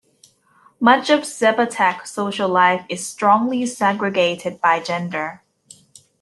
Much of Zapotec social life is strongly segregated by gender.